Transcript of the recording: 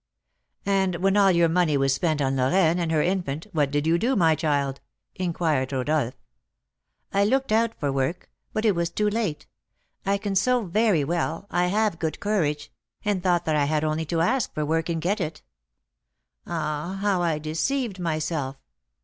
"And when all your money was spent on Lorraine and her infant, what did you do, my child?" inquired Rodolph. "I looked out for work; but it was too late. I can sew very well, I have good courage, and thought that I had only to ask for work and get it. Ah! how I deceived myself!